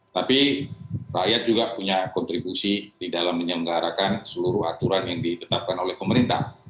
tapi rakyat juga punya kontribusi di dalam menyelenggarakan seluruh aturan yang ditetapkan oleh pemerintah